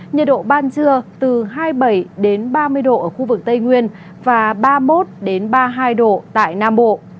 nhiệt độ ban trưa từ hai mươi bảy ba mươi độ ở khu vực tây nguyên và ba mươi một ba mươi hai độ tại nam bộ